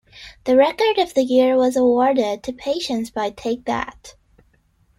The Record of the Year was awarded to "Patience" by Take That.